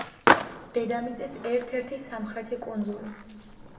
დედამიწის ერთ-ერთი სამხრეთი კუნძული.